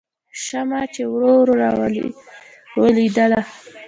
شمعه چې ورو ورو راویلېدله